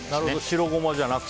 白ゴマじゃなくて？